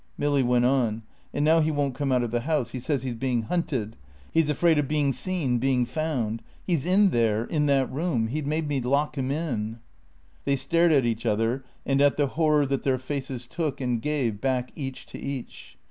Milly went on. "And now he won't come out of the house. He says he's being hunted. He's afraid of being seen, being found. He's in there in that room. He made me lock him in." They stared at each other and at the horror that their faces took and gave back each to each.